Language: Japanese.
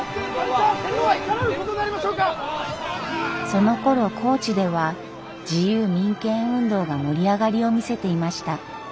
そのころ高知では自由民権運動が盛り上がりを見せていました。